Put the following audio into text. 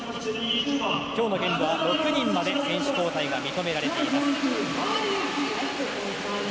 今日のゲームは６人まで選手交代が認められています。